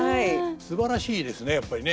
すばらしいですねやっぱりね。